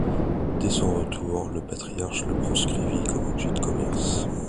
Dès son retour, le patriarche le proscrivit comme objet de commerce.